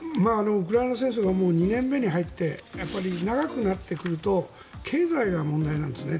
ウクライナ戦争がもう２年目に入って長くなってくると経済が問題なんですね。